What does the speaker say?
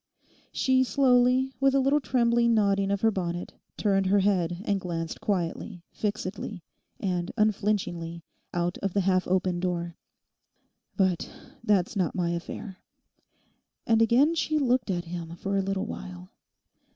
She slowly, with a little trembling nodding of her bonnet, turned her head and glanced quietly, fixedly, and unflinchingly, out of the half open door. 'But that's not my affair.' And again she looked at him for a little while.